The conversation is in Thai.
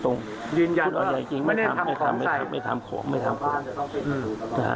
พูดตรงไม่ทำไม่ทำของไม่ทำผู้